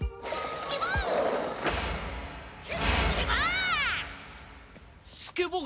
スッケボー。